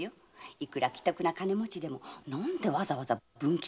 いくら奇特な金持ちでもなんでわざわざ文吉なんかに？